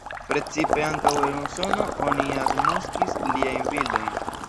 Precipe ankaŭ en Usono oni agnoskis liajn bildojn.